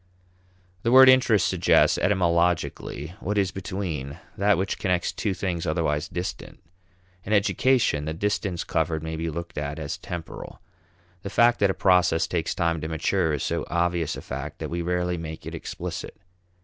The word interest suggests, etymologically, what is between, that which connects two things otherwise distant. In education, the distance covered may be looked at as temporal. The fact that a process takes time to mature is so obvious a fact that we rarely make it explicit.